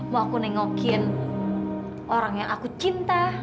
mau aku nengokin orang yang aku cinta